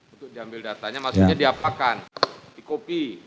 untuk diambil datanya maksudnya diapakan dikopi